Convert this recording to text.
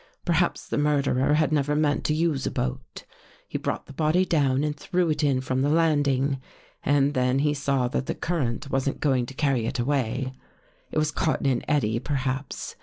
Perhaps the murderer had never meant to use a boat. He brought the body down and threw it in from the landing. And then he saw that the current wasn't going to carry it away. It was caught in an eddy, perhaps.